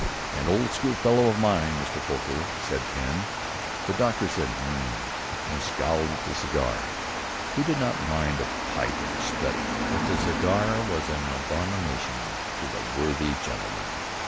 'An old school fellow of mine, Mr. Foker,' said Pen. The doctor said 'H'm!' and scowled at the cigar. He did not mind a pipe in his study, but the cigar was an abomination to the worthy gentleman."